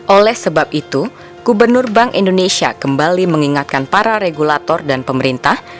oleh sebab itu gubernur bank indonesia kembali mengingatkan para regulator dan pemerintah